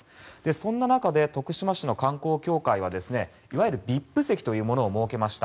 そんな中で徳島市の観光協会はいわゆるＶＩＰ席というものを設けました。